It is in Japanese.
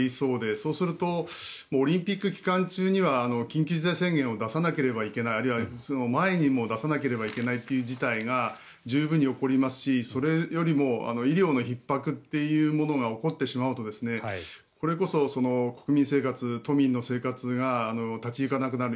そうするとオリンピック期間中には緊急事態宣言を出さなければいけないあるいはその前にもう出さなければいけないという事態が十分に起こりますしそれよりも医療のひっ迫というものが起こってしまうとこれこそ国民生活、都民の生活が立ち行かなくなる。